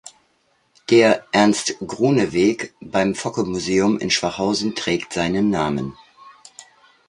Der "Ernst-Grohne-Weg" beim Focke-Museum in Schwachhausen trägt seinen Namen.